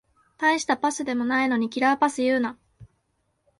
たいしたパスでもないのにキラーパス言うな